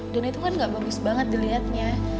dan itu kan gak bagus banget dilihatnya